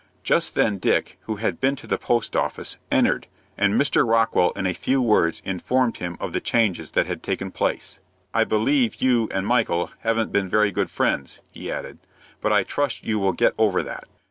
Just then Dick, who had been to the post office, entered, and Mr. Rockwell in a few words informed him of the changes that had taken place. "I believe you and Michael haven't been very good friends," he added; "but I trust you will get over that."